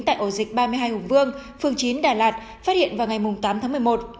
tại ổ dịch ba mươi hai hùng vương phường chín đà lạt phát hiện vào ngày tám tháng một mươi một